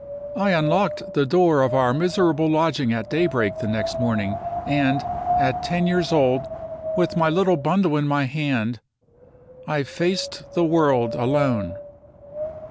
I unlocked the door of our miserable lodging at daybreak the next morning; and, at ten years old, with my little bundle in my hand, I faced the world alone.